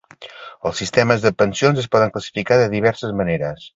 Els sistemes de pensions es poden classificar de diverses maneres.